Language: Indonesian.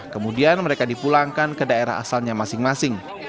kemudian mereka dipulangkan ke daerah asalnya masing masing